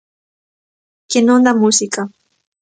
Que non da música.